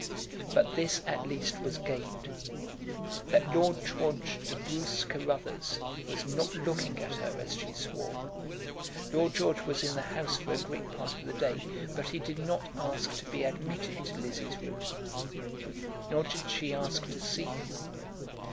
But this at least was gained, that Lord George de Bruce Carruthers was not looking at her as she swore. Lord George was in the house for a great part of the day, but he did not ask to be admitted to Lizzie's room; nor did she ask to see him.